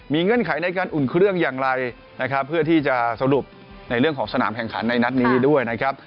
เงื่อนไขในการอุ่นเครื่องอย่างไรนะครับเพื่อที่จะสรุปในเรื่องของสนามแข่งขันในนัดนี้ด้วยนะครับ